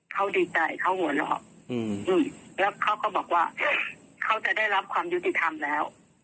เขาดีใจเขาหัวเราะแล้วเขาก็บอกว่าเขาจะได้รับความยุติธรรมแล้ว